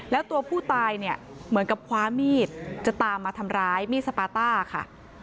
แล้วตัวผู้ตายเนี่ยเหมือนกับคว้ามีดจะตามมาทำร้ายมีดสปาต้าค่ะ